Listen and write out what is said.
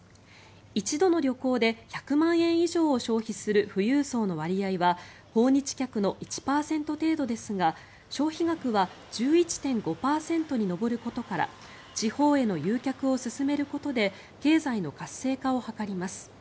一度の旅行で１００万円以上を消費する富裕層の割合は訪日客の１％程度ですが消費額は１１．５％に上ることから地方への誘客を進めることで経済の活性化を図ります。